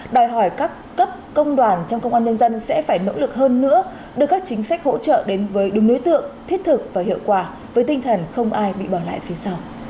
đòi hỏi các cấp công đoàn trong công an nhân dân sẽ phải nỗ lực hơn nữa đưa các chính sách hỗ trợ đến với đúng nối tượng thiết thực và hiệu quả với tinh thần không ai bị bỏ lại phía sau